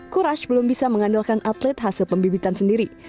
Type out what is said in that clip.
courage belum bisa mengandalkan atlet hasil pembibitan sendiri